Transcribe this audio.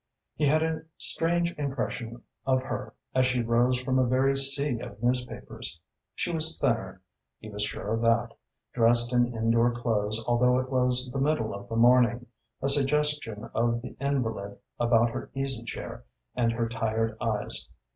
He had a strange impression of her as she rose from a very sea of newspapers. She was thinner he was sure of that dressed in indoor clothes although it was the middle of the morning, a suggestion of the invalid about her easy chair and her tired eyes.